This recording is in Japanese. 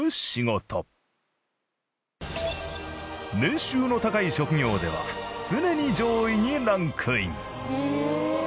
年収の高い職業では常に上位にランクイン。